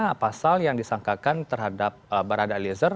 apa asal yang disangkakan terhadap berada eliza